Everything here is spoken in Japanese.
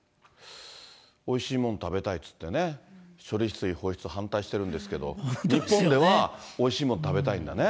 おいしいもん食べたいと言ってね、処理水放出反対してるんですけど、日本ではおいしいもの食べたいんだね。